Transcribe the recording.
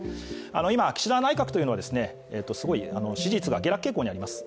今、岸田内閣というのは、すごく支持率が下落傾向にあります。